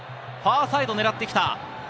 ファーサイドを狙ってきた。